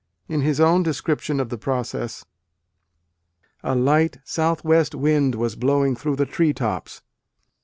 In his own description of the process : "A light south west wind was blowing through the tree tops.